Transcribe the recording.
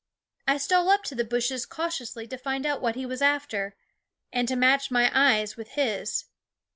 I stole up to the bushes cautiously to find out what he was after, and to match my eyes with his.